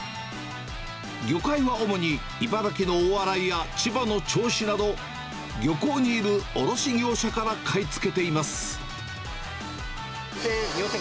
魚介は主に茨城の大洗や、千葉の銚子など、漁港にいる卸業者から買い付けています。